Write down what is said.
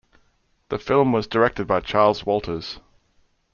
The film was directed by Charles Walters.